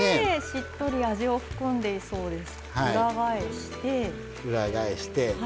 しっとり味を含んでいそうです。